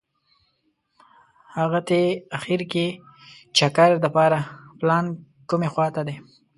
هغتې اخیر کې چکر دپاره پلان کومې خوا ته دي.